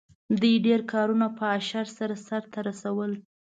دې ډېر کارونه په اشر سره سرته رسول.